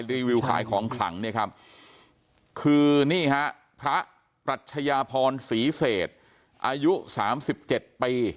รีวิวขายของขลังเนี่ยครับคือนี่ฮะพระปรัชญาพรศรีเศษอายุสามสิบเจ็ดปี